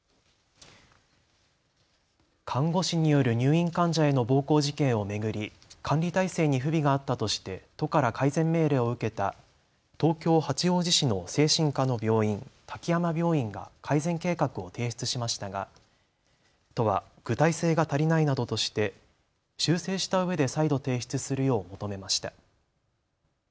看護師による入院患者への暴行事件を巡り管理体制に不備があったとして都から改善命令を受けた東京八王子市の精神科の病院、滝山病院が改善計画を提出しましたが都は具体性が足りないなどとして修正したうえで再度提出するよう求めました。